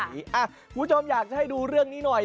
คุณผู้ชมอยากจะให้ดูเรื่องนี้หน่อย